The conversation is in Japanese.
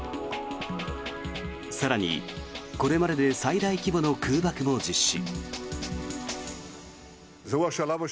更にこれまでで最大規模の空爆も実施。